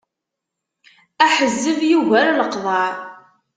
Aḥezzeb yugar leqḍeɛ.